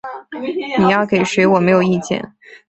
你要给谁我没有意见